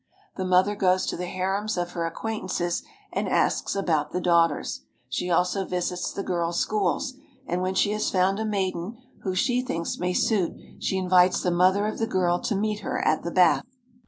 The mother goes to the harems of her ac quaintances, and asks about the daughters. She also visits the girls' schools, and when she has found a maiden who she thinks may suit she invites the mother of the girl to meet her at the bath.